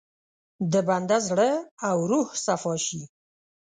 د بنده زړه او روح صفا شي.